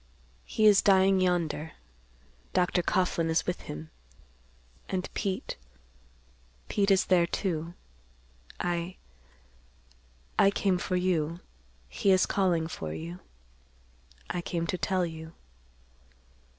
"He is dying yonder. Dr. Coughlan is with him—and Pete—Pete is there, too. I—I came for you. He is calling for you. I came to tell you.